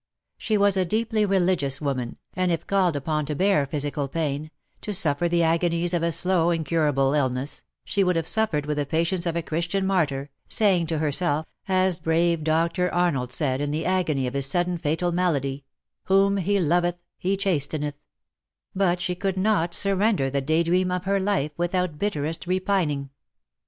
She was a deeply religious woman, and if called upon to bear physical pain — to suffer the agonies of a slow, incurable illness — she would have suffered with the patience of a Christian martyr, saying to herself, as brave Dr. Arnold said in the agony of his sudden fatal malady, ''Whom He loveth He chasteneth,'' — but she could not surrender the day dream of her life without bitterest repining.